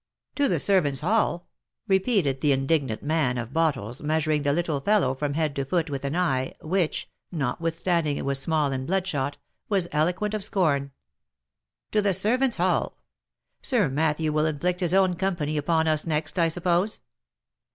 " "To the servants' hall?" repeated the indignant man of bottles, measuring the little fellow from head to foot with an eye, which, notwithstanding it was small and bloodshot, was eloquent of scorn. "To the servants' hall 1 Sir Matthew will inflict his own company upon us next, I suppose.